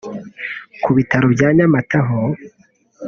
Ku bitaro bya Nyamata ho